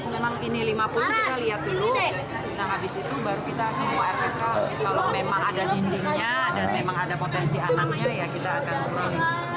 memang ini lima puluh kita lihat dulu nah habis itu baru kita semua rpk kalau memang ada dindingnya dan memang ada potensi anaknya ya kita akan kurang